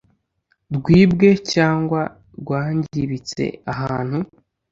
rwibwe cyangwa rwangibitse ahantu